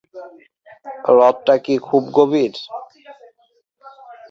হ্রদটা কি খুব গভীর?